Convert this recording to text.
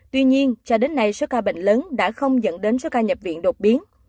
tuy nhiên cho đến nay sức ca bệnh lớn đã không dẫn đến sức ca nhập viện đột biến